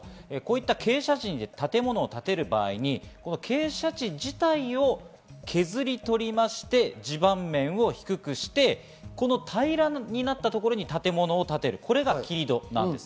傾斜地に建物を建てる場合に傾斜地自体を削り取りまして、地盤面を低くしてこの平らになったところに建物を建てるのが切り土です。